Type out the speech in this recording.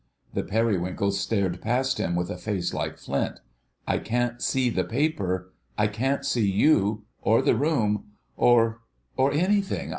The Periwinkle stared past him with a face like a flint. "I can't see the paper. I can't see you ... or the room, or—or—anything....